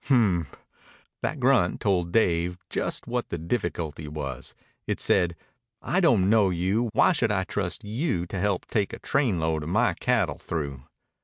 "Hmp!" That grunt told Dave just what the difficulty was. It said, "I don't know you. Why should I trust you to help take a trainload of my cattle through?"